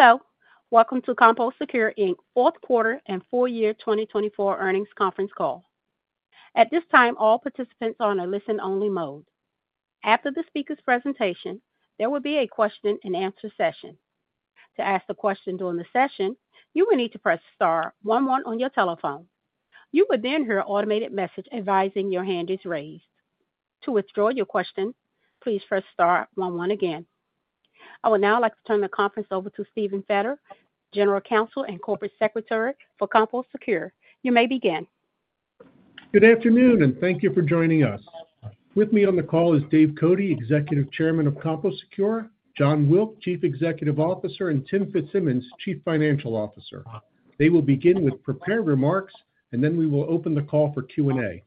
Hello. Welcome to CompoSecure Inc. Fourth Quarter and Full Year 2024 Earnings Conference Call. At this time, all participants are on a listen-only mode. After the speaker's presentation, there will be a question-and-answer session. To ask a question during the session, you will need to press * 11 on your telephone. You will then hear an automated message advising your hand is raised. To withdraw your question, please press * 11 again. I would now like to turn the conference over to Steven Feder, General Counsel and Corporate Secretary for CompoSecure. You may begin. Good afternoon, and thank you for joining us. With me on the call is Dave Cote, Executive Chairman of CompoSecure, Jon Wilk, Chief Executive Officer, and Tim Fitzsimmons, Chief Financial Officer. They will begin with prepared remarks, and then we will open the call for Q&A.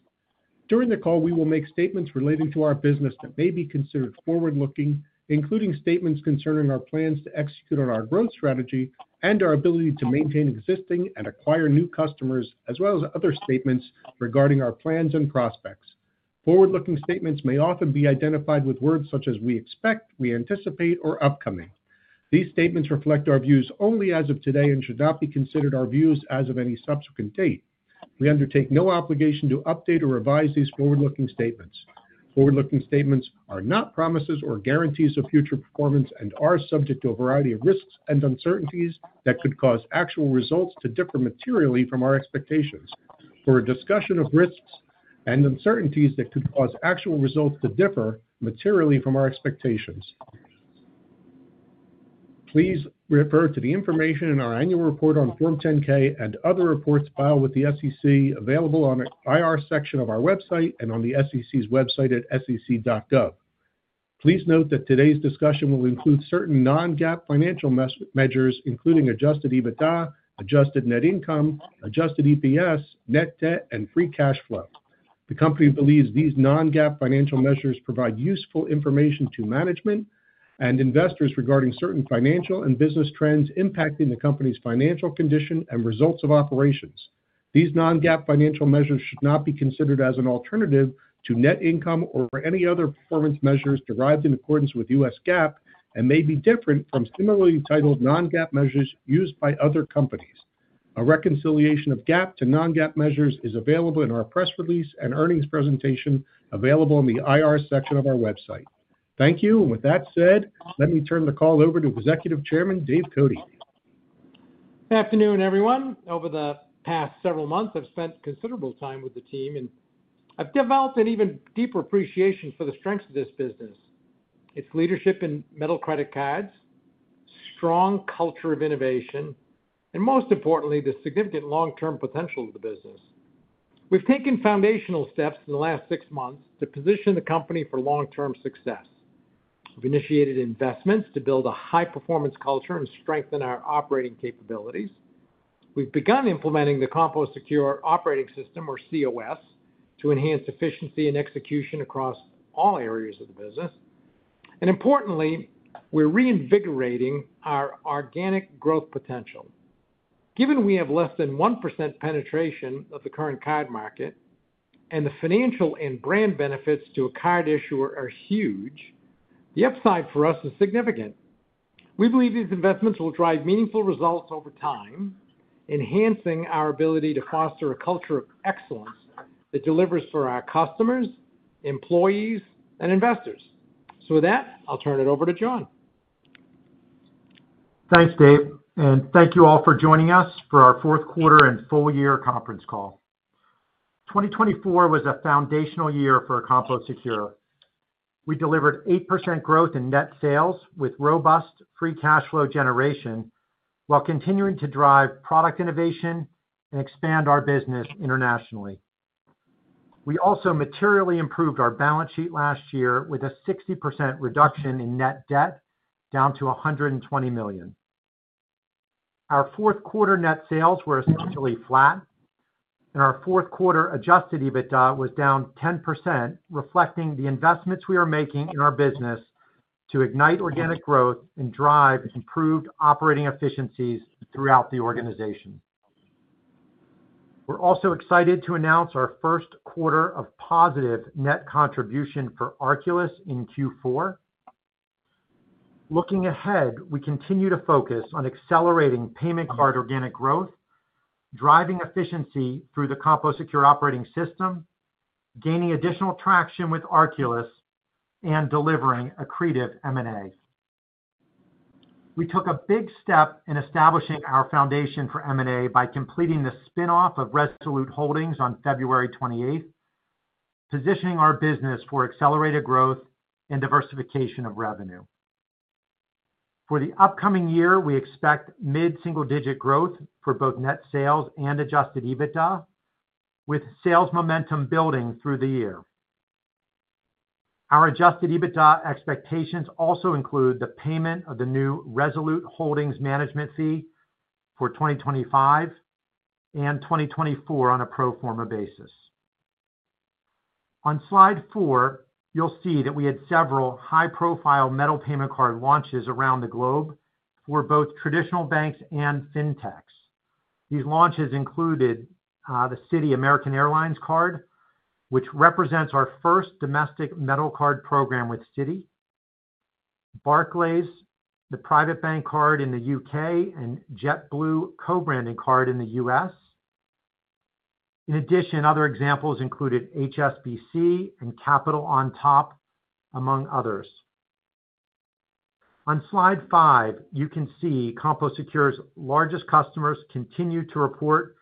During the call, we will make statements relating to our business that may be considered forward-looking, including statements concerning our plans to execute on our growth strategy and our ability to maintain existing and acquire new customers, as well as other statements regarding our plans and prospects. Forward-looking statements may often be identified with words such as "we expect," "we anticipate," or "upcoming." These statements reflect our views only as of today and should not be considered our views as of any subsequent date. We undertake no obligation to update or revise these forward-looking statements. Forward-looking statements are not promises or guarantees of future performance and are subject to a variety of risks and uncertainties that could cause actual results to differ materially from our expectations. For a discussion of risks and uncertainties that could cause actual results to differ materially from our expectations, please refer to the information in our annual report on Form 10-K and other reports filed with the SEC available on the IR section of our website and on the SEC's website at sec.gov. Please note that today's discussion will include certain non-GAAP financial measures, including adjusted EBITDA, adjusted net income, adjusted EPS, net debt, and free cash flow. The company believes these non-GAAP financial measures provide useful information to management and investors regarding certain financial and business trends impacting the company's financial condition and results of operations. These non-GAAP financial measures should not be considered as an alternative to net income or any other performance measures derived in accordance with U.S. GAAP and may be different from similarly titled non-GAAP measures used by other companies. A reconciliation of GAAP to non-GAAP measures is available in our press release and earnings presentation available in the IR section of our website. Thank you. And with that said, let me turn the call over to Executive Chairman Dave Cote. Good afternoon, everyone. Over the past several months, I've spent considerable time with the team, and I've developed an even deeper appreciation for the strengths of this business: its leadership in metal credit cards, strong culture of innovation, and most importantly, the significant long-term potential of the business. We've taken foundational steps in the last six months to position the company for long-term success. We've initiated investments to build a high-performance culture and strengthen our operating capabilities. We've begun implementing the CompoSecure Operating System, or COS, to enhance efficiency and execution across all areas of the business. And importantly, we're reinvigorating our organic growth potential. Given we have less than 1% penetration of the current card market and the financial and brand benefits to a card issuer are huge, the upside for us is significant. We believe these investments will drive meaningful results over time, enhancing our ability to foster a culture of excellence that delivers for our customers, employees, and investors. So with that, I'll turn it over to Jonathan Wilk. Thanks, Dave. And thank you all for joining us for our Fourth Quarter and Full Year Conference Call. 2024 was a foundational year for CompoSecure. We delivered 8% growth in net sales with robust free cash flow generation while continuing to drive product innovation and expand our business internationally. We also materially improved our balance sheet last year with a 60% reduction in net debt, down to $120 million. Our fourth quarter net sales were essentially flat, and our fourth quarter adjusted EBITDA was down 10%, reflecting the investments we are making in our business to ignite organic growth and drive improved operating efficiencies throughout the organization. We're also excited to announce our first quarter of positive net contribution for Arculus in Q4. Looking ahead, we continue to focus on accelerating payment card organic growth, driving efficiency through the CompoSecure Operating System, gaining additional traction with Arculus, and delivering accretive M&A. We took a big step in establishing our foundation for M&A by completing the spinoff of Resolute Holdings on February 28, positioning our business for accelerated growth and diversification of revenue. For the upcoming year, we expect mid-single-digit growth for both net sales and Adjusted EBITDA, with sales momentum building through the year. Our Adjusted EBITDA expectations also include the payment of the new Resolute Holdings management fee for 2025 and 2024 on a pro forma basis. On slide four, you'll see that we had several high-profile metal payment card launches around the globe for both traditional banks and fintechs. These launches included the Citi American Airlines Card, which represents our first domestic metal card program with Citi, Barclays, the private bank card in the UK, and JetBlue Co-branded Card in the U.S. In addition, other examples included HSBC and Capital on Tap, among others. On slide five, you can see CompoSecure's largest customers continue to report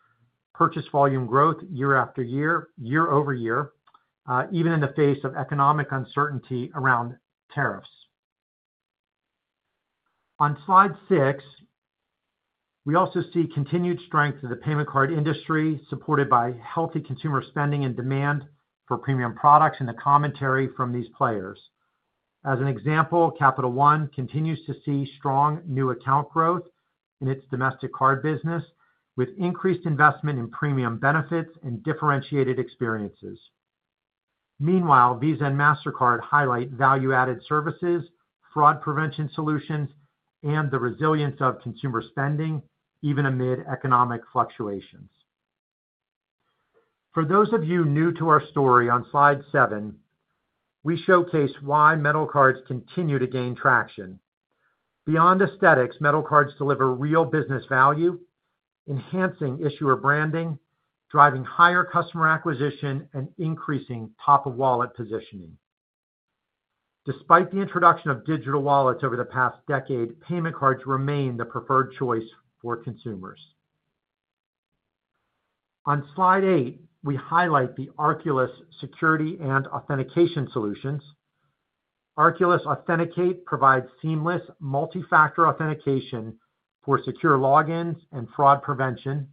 purchase volume growth year after year, year over year, even in the face of economic uncertainty around tariffs. On slide six, we also see continued strength of the payment card industry, supported by healthy consumer spending and demand for premium products and the commentary from these players. As an example, Capital One continues to see strong new account growth in its domestic card business, with increased investment in premium benefits and differentiated experiences. Meanwhile, Visa and Mastercard highlight value-added services, fraud prevention solutions, and the resilience of consumer spending, even amid economic fluctuations. For those of you new to our story, on slide seven, we showcase why metal cards continue to gain traction. Beyond aesthetics, metal cards deliver real business value, enhancing issuer branding, driving higher customer acquisition, and increasing top-of-wallet positioning. Despite the introduction of digital wallets over the past decade, payment cards remain the preferred choice for consumers. On slide eight, we highlight the Arculus security and authentication solutions. Arculus Authenticate provides seamless multi-factor authentication for secure logins and fraud prevention,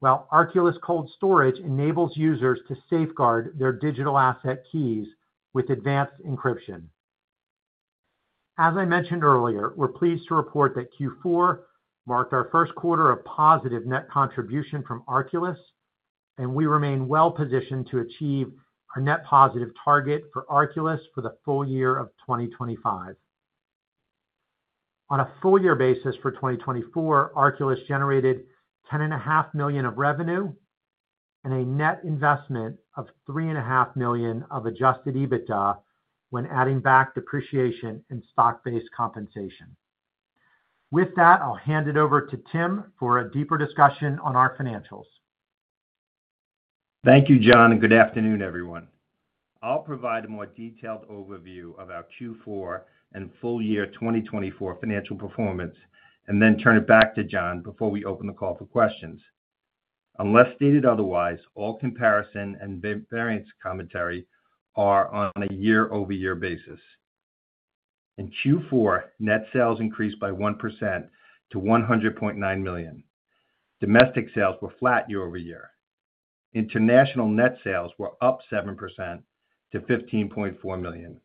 while Arculus Cold Storage enables users to safeguard their digital asset keys with advanced encryption. As I mentioned earlier, we're pleased to report that Q4 marked our first quarter of positive net contribution from Arculus, and we remain well-positioned to achieve our net positive target for Arculus for the full year of 2025. On a full-year basis for 2024, Arculus generated $10.5 million of revenue and a net investment of $3.5 million of Adjusted EBITDA when adding back depreciation and stock-based compensation. With that, I'll hand it over to Timothy Fitzsimmons for a deeper discussion on our financials. Thank you, Jon, and good afternoon, everyone. I'll provide a more detailed overview of our Q4 and full year 2024 financial performance and then turn it back to Jon before we open the call for questions. Unless stated otherwise, all comparison and variance commentary are on a year-over-year basis. In Q4, net sales increased by 1% to $100.9 million. Domestic sales were flat year-over-year. International net sales were up 7% to $15.4 million.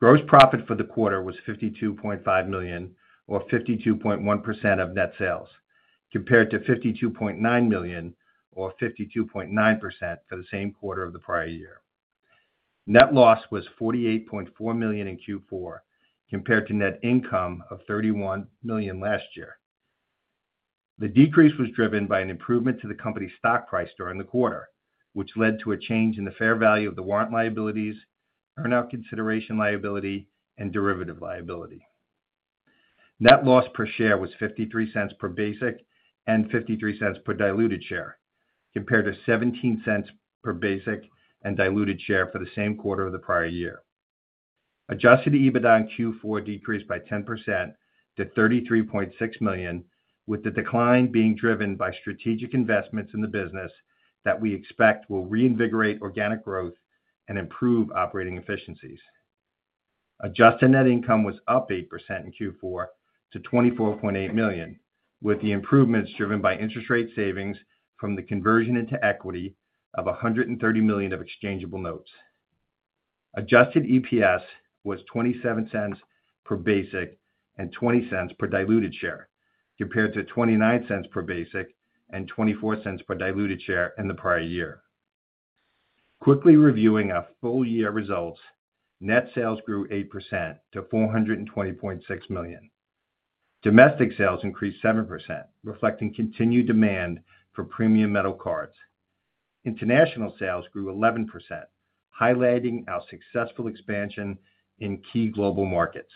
Gross profit for the quarter was $52.5 million, or 52.1% of net sales, compared to $52.9 million, or 52.9% for the same quarter of the prior year. Net loss was $48.4 million in Q4, compared to net income of $31 million last year. The decrease was driven by an improvement to the company's stock price during the quarter, which led to a change in the fair value of the warrant liabilities, earnout consideration liability, and derivative liability. Net loss per share was $0.53 per basic and $0.53 per diluted share, compared to $0.17 per basic and diluted share for the same quarter of the prior year. Adjusted EBITDA in Q4 decreased by 10% to $33.6 million, with the decline being driven by strategic investments in the business that we expect will reinvigorate organic growth and improve operating efficiencies. Adjusted net income was up 8% in Q4 to $24.8 million, with the improvements driven by interest rate savings from the conversion into equity of $130 million of exchangeable notes. Adjusted EPS was $0.27 per basic and $0.20 per diluted share, compared to $0.29 per basic and $0.24 per diluted share in the prior year. Quickly reviewing our full-year results, net sales grew 8% to $420.6 million. Domestic sales increased 7%, reflecting continued demand for premium metal cards. International sales grew 11%, highlighting our successful expansion in key global markets.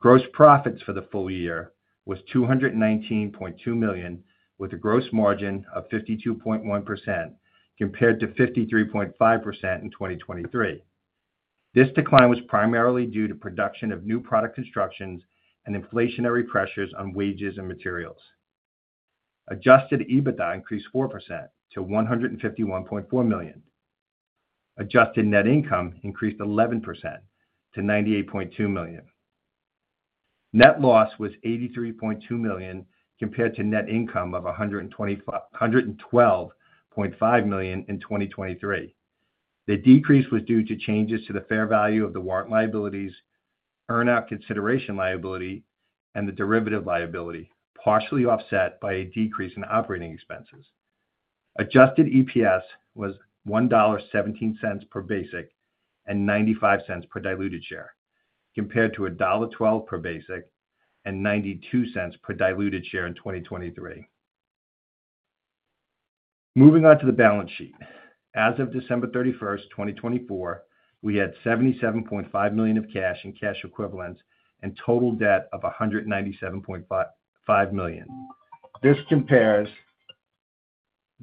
Gross profits for the full year was $219.2 million, with a gross margin of 52.1%, compared to 53.5% in 2023. This decline was primarily due to production of new product constructions and inflationary pressures on wages and materials. Adjusted EBITDA increased 4% to $151.4 million. Adjusted net income increased 11% to $98.2 million. Net loss was $83.2 million compared to net income of $112.5 million in 2023. The decrease was due to changes to the fair value of the warrant liabilities, earnout consideration liability, and the derivative liability, partially offset by a decrease in operating expenses. Adjusted EPS was $1.17 per basic and $0.95 per diluted share, compared to $1.12 per basic and $0.92 per diluted share in 2023. Moving on to the balance sheet. As of December 31, 2024, we had $77.5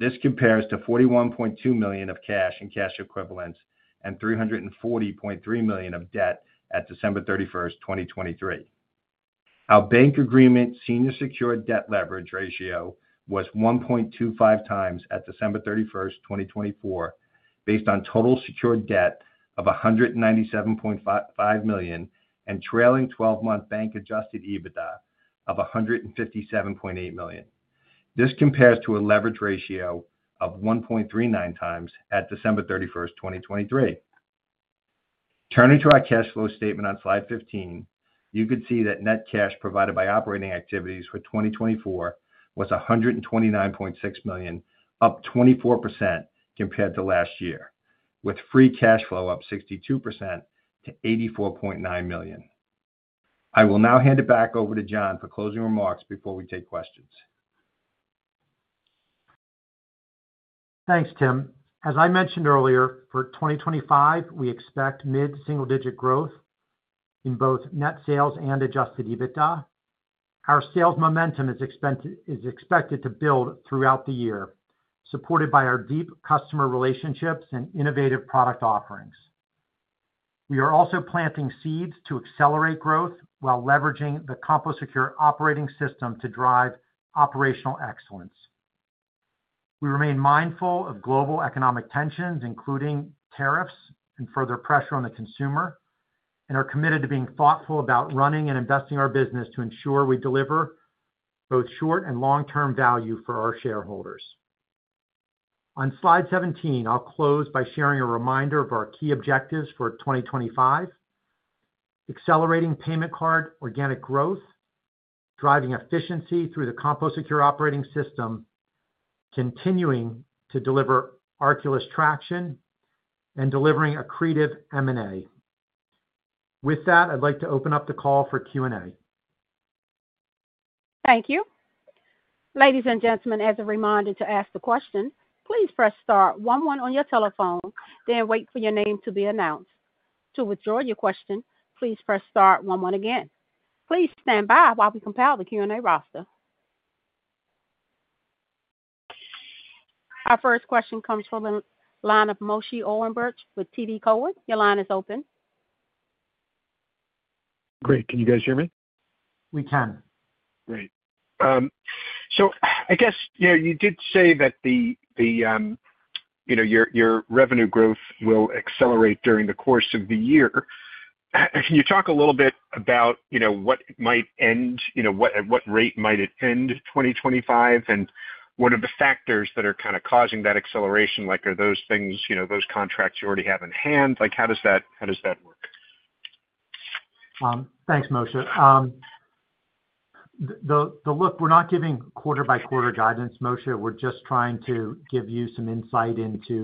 million of cash and cash equivalents and total debt of $197.5 million. This compares to $41.2 million of cash and cash equivalents and $340.3 million of debt at December 31, 2023. Our bank agreement senior secured debt leverage ratio was 1.25 times at December 31, 2024, based on total secured debt of $197.5 million and trailing 12-month bank Adjusted EBITDA of $157.8 million. This compares to a leverage ratio of 1.39 times at December 31, 2023. Turning to our cash flow statement on slide 15, you could see that net cash provided by operating activities for 2024 was $129.6 million, up 24% compared to last year, with free cash flow up 62% to $84.9 million. I will now hand it back over to Jon for closing remarks before we take questions. Thanks, Timothy Fitzsimmons. As I mentioned earlier, for 2025, we expect mid-single-digit growth in both net sales and adjusted EBITDA. Our sales momentum is expected to build throughout the year, supported by our deep customer relationships and innovative product offerings. We are also planting seeds to accelerate growth while leveraging the CompoSecure Operating System to drive operational excellence. We remain mindful of global economic tensions, including tariffs and further pressure on the consumer, and are committed to being thoughtful about running and investing our business to ensure we deliver both short and long-term value for our shareholders. On slide 17, I'll close by sharing a reminder of our key objectives for 2025: accelerating payment card organic growth, driving efficiency through the CompoSecure Operating System, continuing to deliver Arculus traction, and delivering accretive M&A. With that, I'd like to open up the call for Q&A. Thank you. Ladies and gentlemen, as a reminder to ask the question, please press * 11 on your telephone, then wait for your name to be announced. To withdraw your question, please press * 11 again. Please stand by while we compile the Q&A roster. Our first question comes from the line of Moshe Orenbuch with TD Cowen. Your line is open. Great. Can you guys hear me? We can. Great. So I guess you did say that your revenue growth will accelerate during the course of the year. Can you talk a little bit about what might end, at what rate might it end 2025, and what are the factors that are kind of causing that acceleration? Are those things, those contracts you already have in hand? How does that work? Thanks, Moshe. Look, we're not giving quarter-by-quarter guidance, Moshe. We're just trying to give you some insight into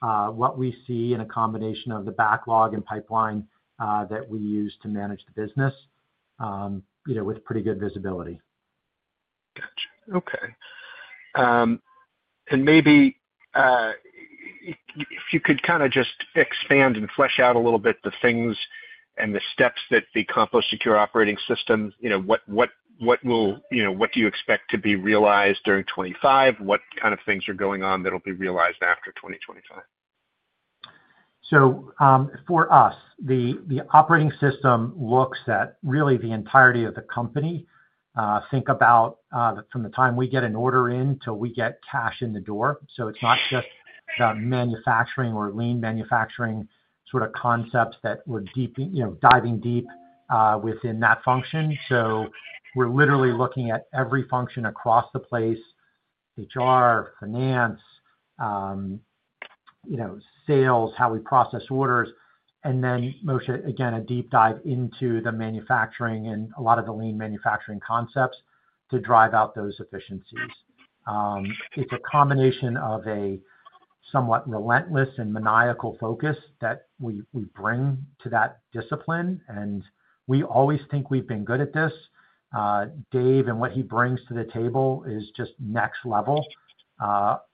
what we see in a combination of the backlog and pipeline that we use to manage the business with pretty good visibility. Gotcha. Okay. And maybe if you could kind of just expand and flesh out a little bit the things and the steps that the CompoSecure Operating System, what do you expect to be realized during 2025? What kind of things are going on that'll be realized after 2025? So for us, the operating system looks at really the entirety of the company. Think about from the time we get an order in till we get cash in the door. So it's not just the manufacturing or lean manufacturing sort of concepts that we're diving deep within that function. So we're literally looking at every function across the place: HR, finance, sales, how we process orders. And then, Moshe, again, a deep dive into the manufacturing and a lot of the lean manufacturing concepts to drive out those efficiencies. It's a combination of a somewhat relentless and maniacal focus that we bring to that discipline. And we always think we've been good at this. Dave and what he brings to the table is just next level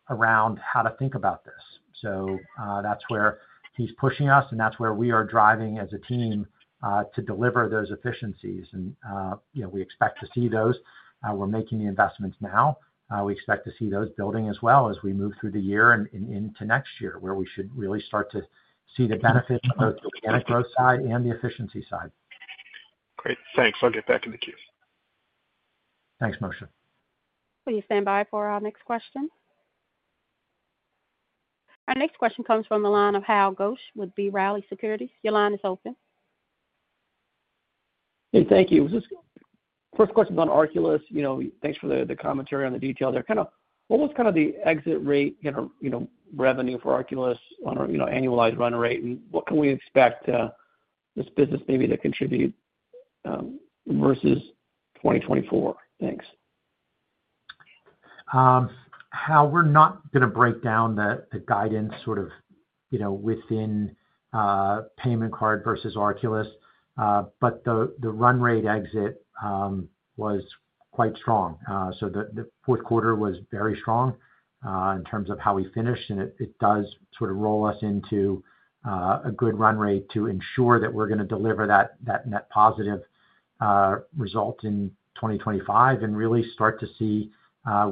around how to think about this. So that's where he's pushing us, and that's where we are driving as a team to deliver those efficiencies. And we expect to see those. We're making the investments now. We expect to see those building as well as we move through the year and into next year, where we should really start to see the benefits of both the organic growth side and the efficiency side. Great. Thanks. I'll get back in the queue. Thanks, Moshe. Will you stand by for our next question? Our next question comes from the line of Hal Goetsch with B. Riley Securities. Your line is open. Hey, thank you. First question on Arculus. Thanks for the commentary on the detail there. What was kind of the exit rate revenue for Arculus on an annualized run rate? And what can we expect this business maybe to contribute versus 2024? Thanks. Hal, we're not going to break down the guidance sort of within payment card versus Arculus, but the run rate exit was quite strong, so the fourth quarter was very strong in terms of how we finished, and it does sort of roll us into a good run rate to ensure that we're going to deliver that net positive result in 2025 and really start to see,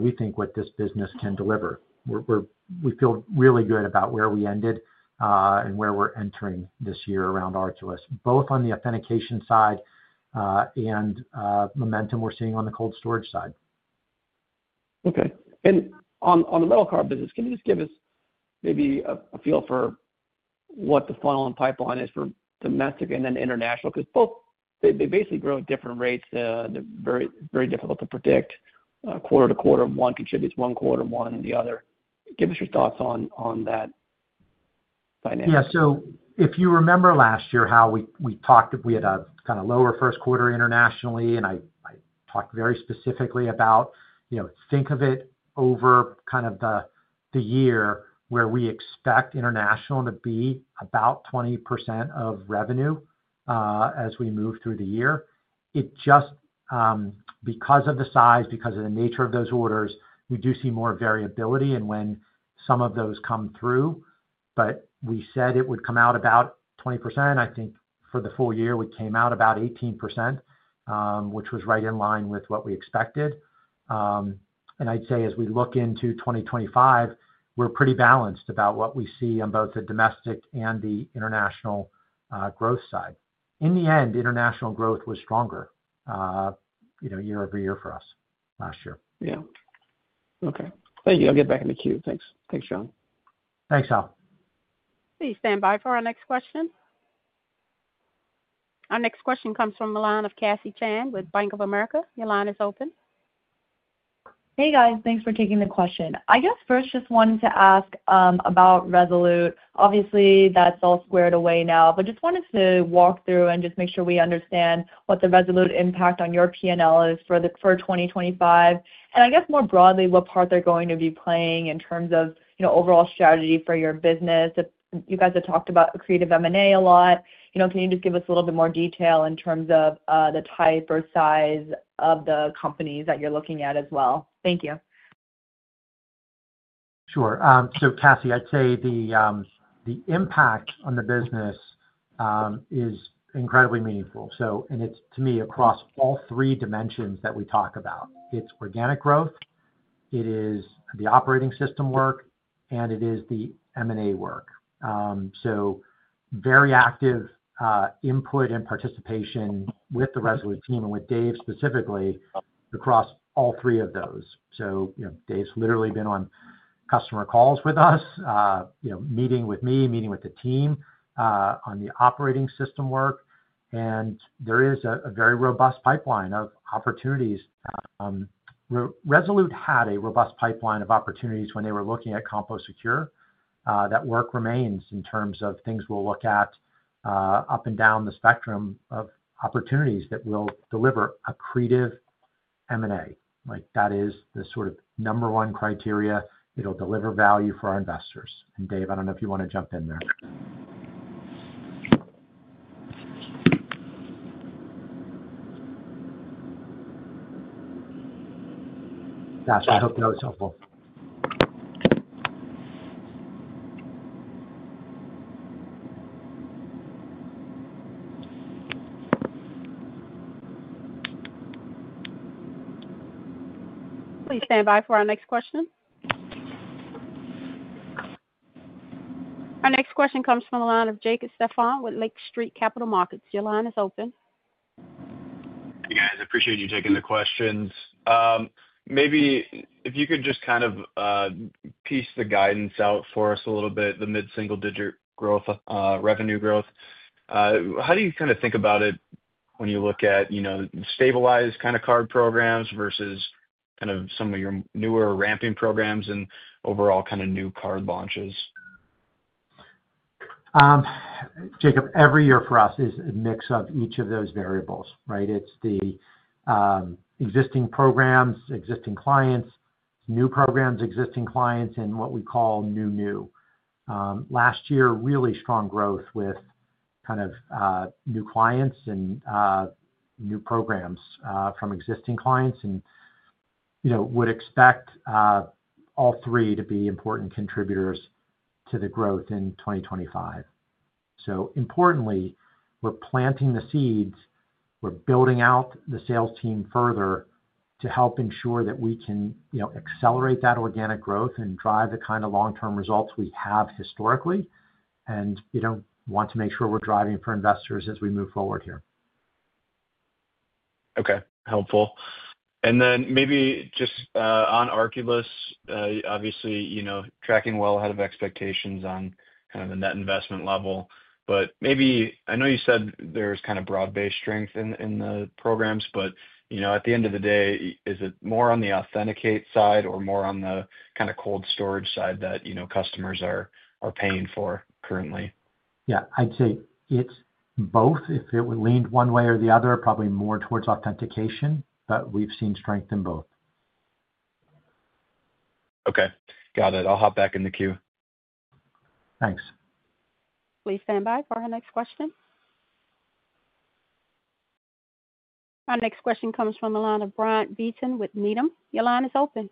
we think, what this business can deliver. We feel really good about where we ended and where we're entering this year around Arculus, both on the authentication side and momentum we're seeing on the cold storage side. Okay. And on the metal card business, can you just give us maybe a feel for what the funnel and pipeline is for domestic and then international? Because they basically grow at different rates. They're very difficult to predict. Quarter to quarter, one contributes one quarter, one and the other. Give us your thoughts on that finance. Yeah, so if you remember last year how we talked, we had a kind of lower first quarter internationally, and I talked very specifically about, think of it over kind of the year where we expect international to be about 20% of revenue as we move through the year. Because of the size, because of the nature of those orders, we do see more variability in when some of those come through. But we said it would come out about 20%. I think for the full year, we came out about 18%, which was right in line with what we expected, and I'd say as we look into 2025, we're pretty balanced about what we see on both the domestic and the international growth side. In the end, international growth was stronger year over year for us last year. Yeah. Okay. Thank you. I'll get back in the queue. Thanks. Thanks, Jonathan Wilk. Thanks, Hal. Please stand by for our next question. Our next question comes from the line of Cassie Chan with Bank of America. Your line is open. Hey, guys. Thanks for taking the question. I guess first just wanted to ask about Resolute. Obviously, that's all squared away now, but just wanted to walk through and just make sure we understand what the Resolute impact on your P&L is for 2025. And I guess more broadly, what part they're going to be playing in terms of overall strategy for your business. You guys have talked about accretive M&A a lot. Can you just give us a little bit more detail in terms of the type or size of the companies that you're looking at as well? Thank you. Sure. So Cassie, I'd say the impact on the business is incredibly meaningful. And it's, to me, across all three dimensions that we talk about. It's organic growth, it is the operating system work, and it is the M&A work. So very active input and participation with the Resolute team and with Dave specifically across all three of those. So Dave's literally been on customer calls with us, meeting with me, meeting with the team on the operating system work. And there is a very robust pipeline of opportunities. Resolute had a robust pipeline of opportunities when they were looking at CompoSecure. That work remains in terms of things we'll look at up and down the spectrum of opportunities that will deliver accretive M&A. That is the sort of number one criteria. It'll deliver value for our investors. And Dave, I don't know if you want to jump in there. That's why I hope that was helpful. Please stand by for our next question. Our next question comes from the line of Jacob Stephan with Lake Street Capital Markets. Your line is open. Hey, guys. I appreciate you taking the questions. Maybe if you could just kind of piece the guidance out for us a little bit, the mid-single-digit revenue growth. How do you kind of think about it when you look at stabilized kind of card programs versus kind of some of your newer ramping programs and overall kind of new card launches? Jacob, every year for us is a mix of each of those variables, right? It's the existing programs, existing clients, new programs, existing clients, and what we call new, new. Last year, really strong growth with kind of new clients and new programs from existing clients, and would expect all three to be important contributors to the growth in 2025, so importantly, we're planting the seeds. We're building out the sales team further to help ensure that we can accelerate that organic growth and drive the kind of long-term results we have historically, and we want to make sure we're driving for investors as we move forward here. Okay. Helpful. And then maybe just on Arculus, obviously tracking well ahead of expectations on kind of the net investment level. But maybe I know you said there's kind of broad-based strength in the programs, but at the end of the day, is it more on the authenticate side or more on the kind of cold storage side that customers are paying for currently? Yeah. I'd say it's both. If it were leaned one way or the other, probably more towards authentication, but we've seen strength in both. Okay. Got it. I'll hop back in the queue. Thanks. Please stand by for our next question. Our next question comes from the line of Bryant Beaton with Needham. Your line is open.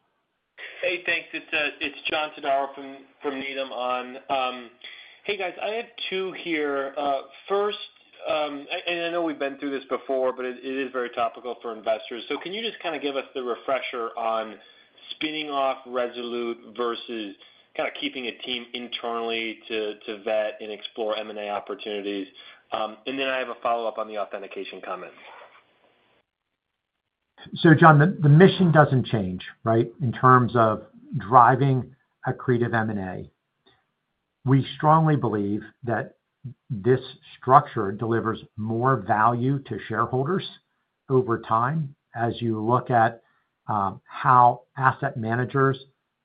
Hey, thanks. It's John Auer from Needham & Company. Hey, guys. I have two here. First, and I know we've been through this before, but it is very topical for investors. So can you just kind of give us the refresher on spinning off Resolute versus kind of keeping a team internally to vet and explore M&A opportunities? And then I have a follow-up on the authentication comments. So John, the mission doesn't change, right, in terms of driving accretive M&A. We strongly believe that this structure delivers more value to shareholders over time. As you look at how asset managers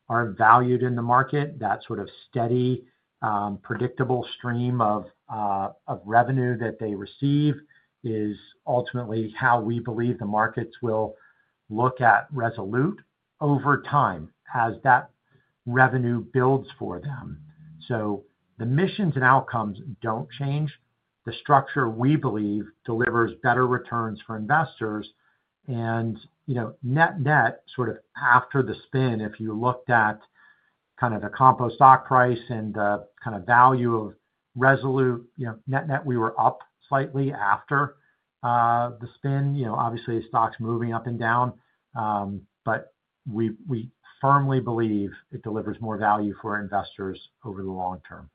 are valued in the market, that sort of steady, predictable stream of revenue that they receive is ultimately how we believe the markets will look at Resolute over time as that revenue builds for them. So the missions and outcomes don't change. The structure we believe delivers better returns for investors. And net-net, sort of after the spin, if you looked at kind of the Compo stock price and the kind of value of Resolute, net-net, we were up slightly after the spin. Obviously, stocks moving up and down, but we firmly believe it delivers more value for investors over the long term.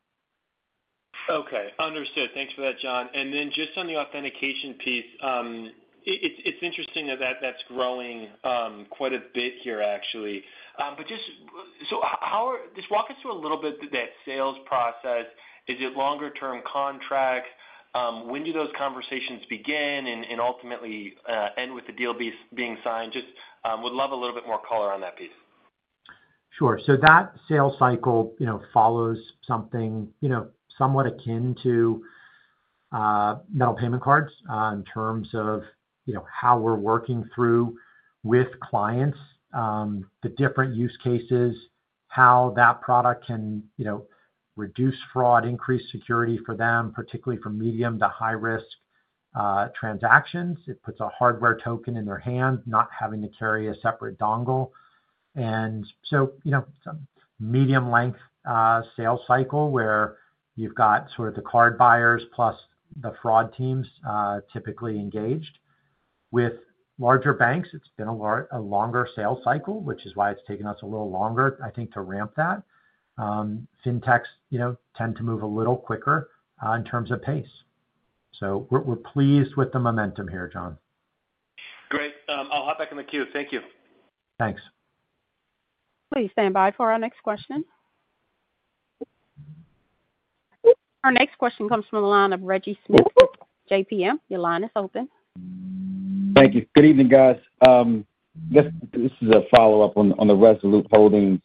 Okay. Understood. Thanks for that, Jon. And then just on the authentication piece, it's interesting that that's growing quite a bit here, actually. So just walk us through a little bit that sales process. Is it longer-term contracts? When do those conversations begin and ultimately end with the deal being signed? Just would love a little bit more color on that piece. Sure. So that sales cycle follows something somewhat akin to metal payment cards in terms of how we're working through with clients, the different use cases, how that product can reduce fraud, increase security for them, particularly for medium to high-risk transactions. It puts a hardware token in their hand, not having to carry a separate dongle. And so it's a medium-length sales cycle where you've got sort of the card buyers plus the fraud teams typically engaged. With larger banks, it's been a longer sales cycle, which is why it's taken us a little longer, I think, to ramp that. Fintechs tend to move a little quicker in terms of pace. So we're pleased with the momentum here, John. Great. I'll hop back in the queue. Thank you. Thanks. Please stand by for our next question. Our next question comes from the line of Reggie Smith, JPM. Your line is open. Thank you. Good evening, guys. This is a follow-up on the Resolute Holdings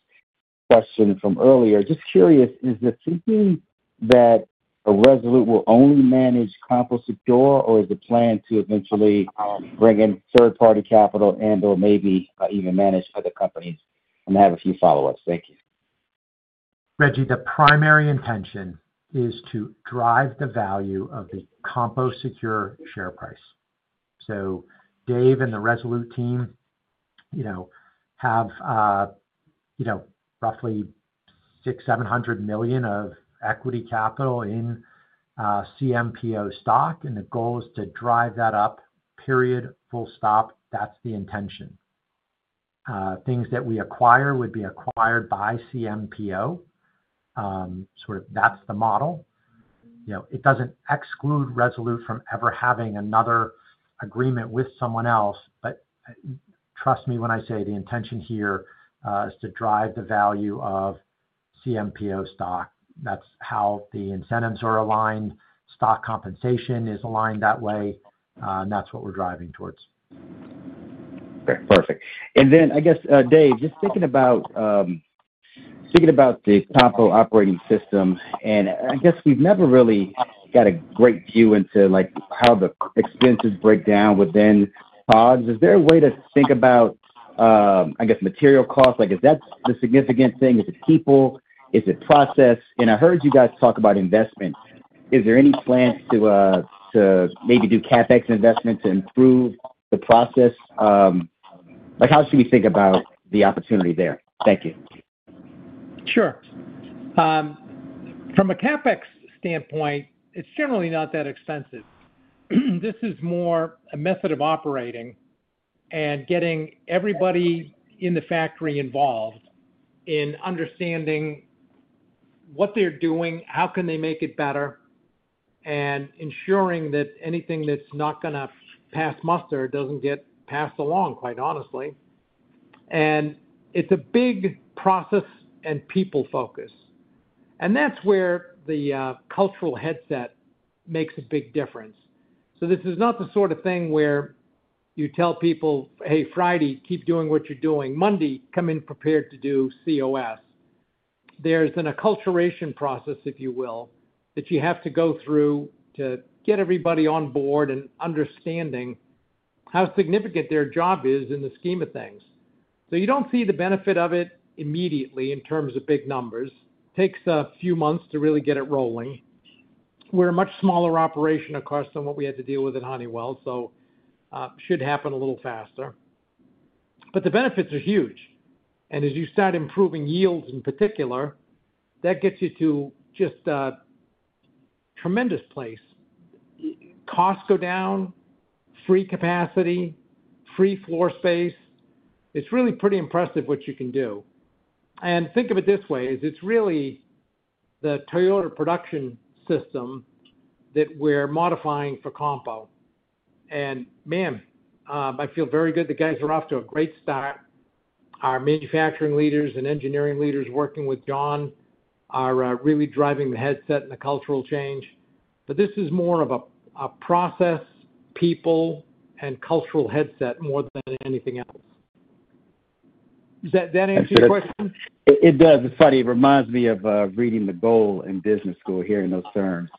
question from earlier. Just curious, is the thinking that Resolute will only manage CompoSecure, or is the plan to eventually bring in third-party capital and/or maybe even manage other companies? And I have a few follow-ups. Thank you. Reggie, the primary intention is to drive the value of the CompoSecure share price. So Dave and the Resolute team have roughly $600-$700 million of equity capital in CMPO stock, and The Goal is to drive that up, period, full stop. That's the intention. Things that we acquire would be acquired by CMPO. Sort of that's the model. It doesn't exclude Resolute from ever having another agreement with someone else, but trust me when I say the intention here is to drive the value of CMPO stock. That's how the incentives are aligned. Stock compensation is aligned that way, and that's what we're driving towards. Okay. Perfect. And then I guess, Dave, just thinking about the CompoSecure Operating System, and I guess we've never really got a great view into how the expenses break down within pods. Is there a way to think about, I guess, material costs? Is that the significant thing? Is it people? Is it process? And I heard you guys talk about investment. Is there any plans to maybe do CapEx investment to improve the process? How should we think about the opportunity there? Thank you. Sure. From a CapEx standpoint, it's generally not that expensive. This is more a method of operating and getting everybody in the factory involved in understanding what they're doing, how can they make it better, and ensuring that anything that's not going to pass muster doesn't get passed along, quite honestly. And it's a big process and people focus. And that's where the cultural mindset makes a big difference. So this is not the sort of thing where you tell people, "Hey, Friday, keep doing what you're doing. Monday, come in prepared to do COS." There's an acculturation process, if you will, that you have to go through to get everybody on board and understanding how significant their job is in the scheme of things. So you don't see the benefit of it immediately in terms of big numbers. It takes a few months to really get it rolling. We're a much smaller operation across than what we had to deal with at Honeywell, so it should happen a little faster. But the benefits are huge. And as you start improving yields in particular, that gets you to just a tremendous place. Costs go down, free capacity, free floor space. It's really pretty impressive what you can do. And think of it this way: it's really the Toyota Production System that we're modifying for Compo. And man, I feel very good. The guys are off to a great start. Our manufacturing leaders and engineering leaders working with John are really driving the mindset and the cultural change. But this is more of a process, people, and cultural mindset more than anything else. Does that answer your question? It does. It's funny. It reminds me of reading The Goal in business school here in those terms,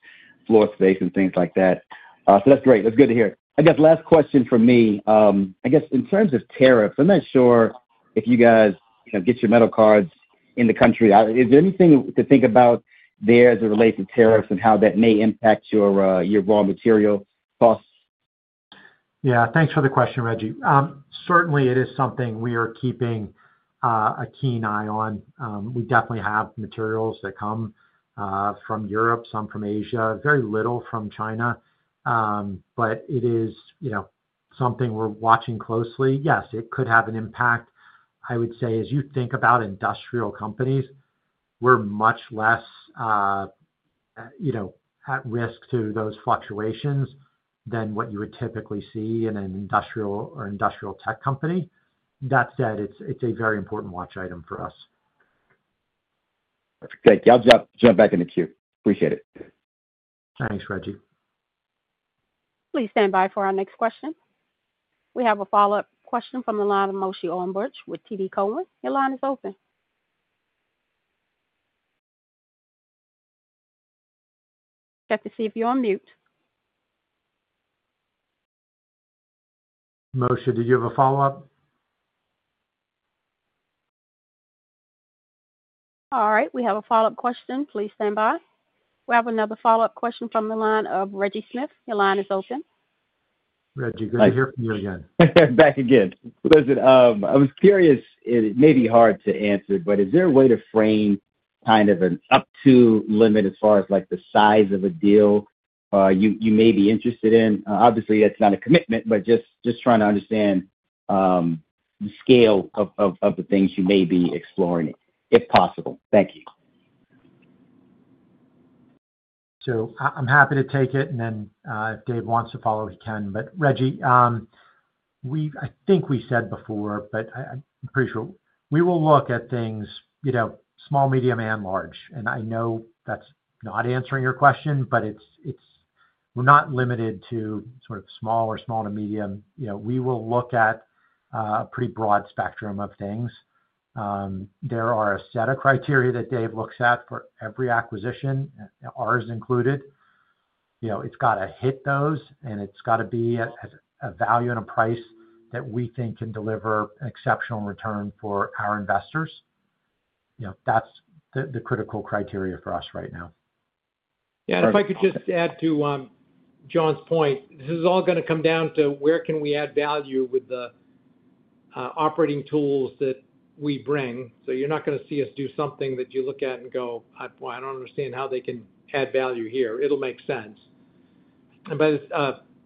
floor space and things like that. So that's great. That's good to hear. I guess last question for me. I guess in terms of tariffs, I'm not sure if you guys get your metal cards in the country. Is there anything to think about there as it relates to tariffs and how that may impact your raw material costs? Yeah. Thanks for the question, Reggie. Certainly, it is something we are keeping a keen eye on. We definitely have materials that come from Europe, some from Asia, very little from China. But it is something we're watching closely. Yes, it could have an impact. I would say as you think about industrial companies, we're much less at risk to those fluctuations than what you would typically see in an industrial or industrial tech company. That said, it's a very important watch item for us. Perfect. Thank you. I'll jump back in the queue. Appreciate it. Thanks, Reggie. Please stand by for our next question. We have a follow-up question from the line of Moshe Orenbuch with TD Cowen. Your line is open. Check to see if you're on mute. Moshe, did you have a follow-up? All right. We have a follow-up question. Please stand by. We have another follow-up question from the line of Reggie Smith. Your line is open. Reggie, good to hear from you again. Back again. Listen, I was curious. It may be hard to answer, but is there a way to frame kind of an up-to limit as far as the size of a deal you may be interested in? Obviously, that's not a commitment, but just trying to understand the scale of the things you may be exploring, if possible. Thank you. So I'm happy to take it. And then if Dave wants to follow, he can. But Reggie, I think we said before, but I'm pretty sure we will look at things small, medium, and large. And I know that's not answering your question, but we're not limited to sort of small or small to medium. We will look at a pretty broad spectrum of things. There are a set of criteria that Dave looks at for every acquisition, ours included. It's got to hit those, and it's got to be at a value and a price that we think can deliver an exceptional return for our investors. That's the critical criteria for us right now. Yeah. And if I could just add to John's point, this is all going to come down to where we can add value with the operating tools that we bring. So you're not going to see us do something that you look at and go, "Well, I don't understand how they can add value here." It'll make sense. But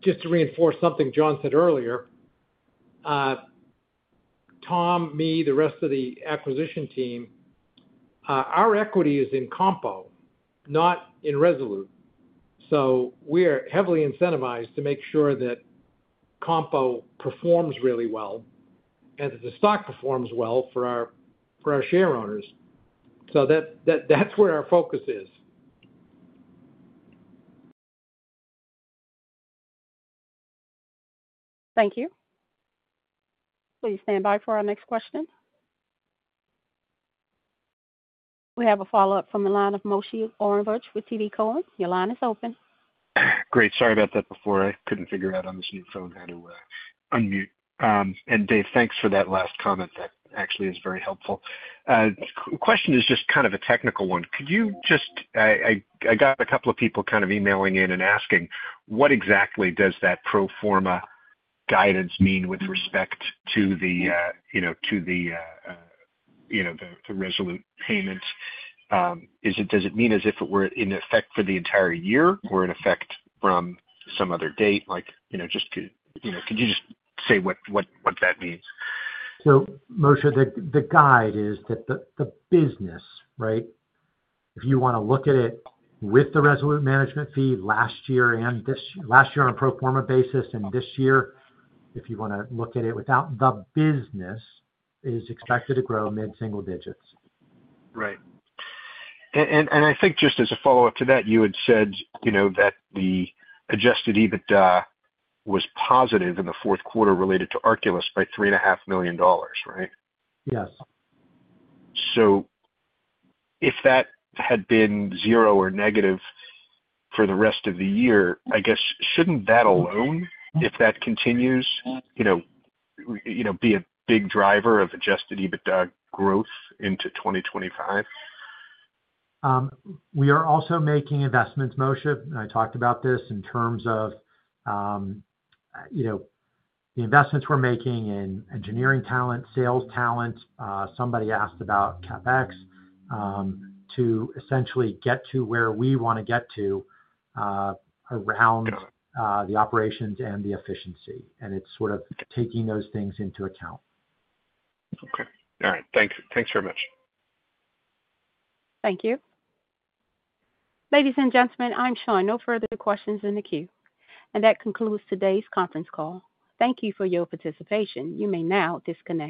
just to reinforce something John said earlier, Tom, me, the rest of the acquisition team, our equity is in Compo, not in Resolute. So that's where our focus is. Thank you. Please stand by for our next question. We have a follow-up from the line of Moshe Orenbuch with TD Cowen. Your line is open. Great. Sorry about that before. I couldn't figure out on this new phone how to unmute. And Dave, thanks for that last comment. That actually is very helpful. The question is just kind of a technical one. Could you just—I got a couple of people kind of emailing in and asking, what exactly does that pro forma guidance mean with respect to the Resolute payments? Does it mean as if it were in effect for the entire year or in effect from some other date? Just could you just say what that means? So Moshe, the guide is that the business, right? If you want to look at it with the Resolute management fee last year and this year, last year on a pro forma basis and this year, if you want to look at it without the business, is expected to grow mid-single digits. Right. And I think just as a follow-up to that, you had said that the Adjusted EBITDA was positive in the fourth quarter related to Arculus by $3.5 million, right? Yes. So if that had been zero or negative for the rest of the year, I guess, shouldn't that alone, if that continues, be a big driver of Adjusted EBITDA growth into 2025? We are also making investments, Moshe. I talked about this in terms of the investments we're making in engineering talent, sales talent. Somebody asked about CapEx to essentially get to where we want to get to around the operations and the efficiency, and it's sort of taking those things into account. Okay. All right. Thanks. Thanks very much. Thank you. Ladies and gentlemen, I'm sure no further questions in the queue. And that concludes today's conference call. Thank you for your participation. You may now disconnect.